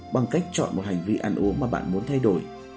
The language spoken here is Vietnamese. bằng cách chọn một hành vi ăn uống mà bạn muốn thay đổi